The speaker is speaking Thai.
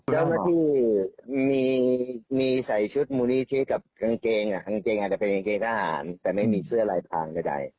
เจ้าหน้าที่มีใส่ชุดมูลนิธิกับกางเกงกางเกงอาจจะเป็นกางเกงทหารแต่ไม่มีเสื้อลายพานก็ได้